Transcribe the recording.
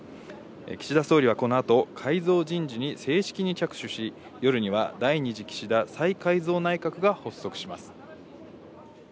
岸田総理はこの後、改造人事に正式に着手し、夜には第２次岸田再改造内閣が発足します。